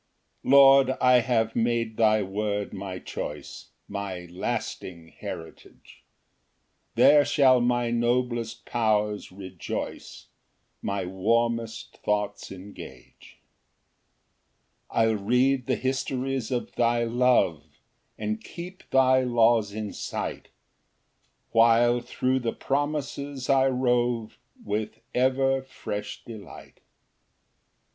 1 Lord, I have made thy word my choice, My lasting heritage; There shall my noblest powers rejoice, My warmest thoughts engage. 2 I'll read the histories of thy love, And keep thy laws in sight, While thro' the promises I rove, With ever fresh delight.